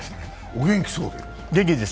お元気そうで。